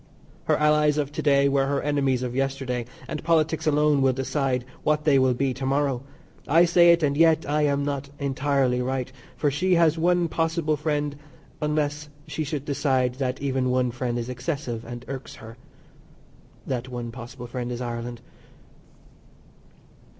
Her Allies of to day were her enemies of yesterday, and politics alone will decide what they will be to morrow. I say it, and yet I am not entirely right, for she has one possible friend unless she should decide that even one friend is excessive and irks her. That one possible friend is Ireland.